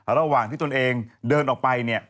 ระหว่างที่ตนเองเดินออกไปเนี่ย